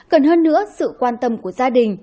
cần hơn nữa sự quan tâm của gia đình